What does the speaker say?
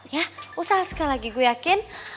ya usaha sekali lagi gue yakin